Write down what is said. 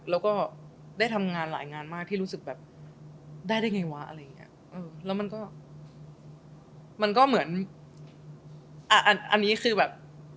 แล้วก็ได้ทำงานหลายงานมากที่รู้สึกแบบได้ได้ไงวะอะไรอย่างเงี้ยแล้วมันก็มันก็เหมือนอ่ะอันนี้คือแบบ